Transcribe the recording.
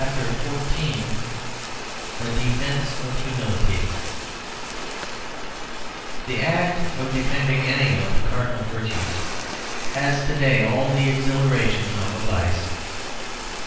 A DEFENCE OF HUMILITY The act of defending any of the cardinal virtues has to day all the exhilaration of a vice.